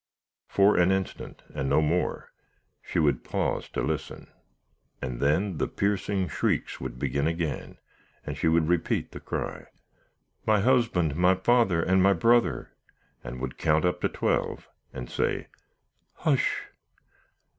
For an instant, and no more, she would pause to listen, and then the piercing shrieks would begin again and she would repeat the cry 'My husband, my father, and my brother!' and would count up to twelve, and say, 'Hush!'